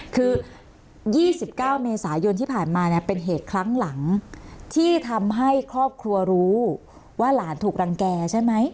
คือ๒๙เมษายนที่ผ่านมาเนี่ยเป็นเหตุครั้งหลังที่ทำให้ครอบครัวรู้ว่าหลานถูกรังแก่ใช่ไหม